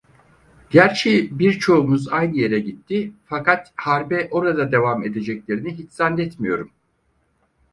Gerçi birçoğumuz aynı yere gitti, fakat harbe orada devam edeceklerini hiç zannetmiyorum.